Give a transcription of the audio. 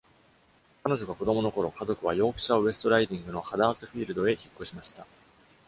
彼女が子どものころ、家族はヨークシャー・ウエストライディングのハダースフィールドへ引っ越しました。